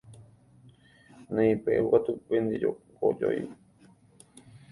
Néi peʼúkatu pende kojói.